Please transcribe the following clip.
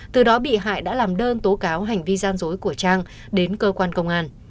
từ đó bị hại đã làm đơn tố cáo hành vi gian dối của trang đến cơ quan công an